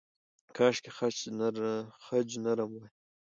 کاشکې خج نرم وای.